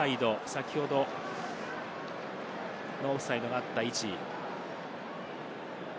先ほどのオフサイドがあった位置。